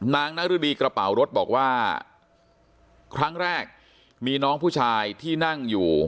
นางนรดีกระเป๋ารถบอกว่าครั้งแรกมีน้องผู้ชายที่นั่งอยู่